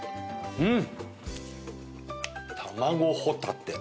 うん。